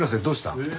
どうした？